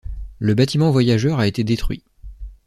Le bâtiment voyageur a été détruit.